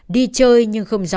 đi chơi nhưng không rõ